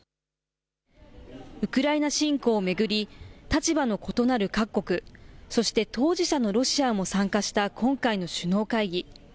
ウクライナ侵攻を巡り、立場の異なる各国、そして当事者のロシアも参加した今回の首脳会議。